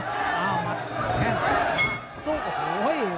แค่งสู้โอ้โห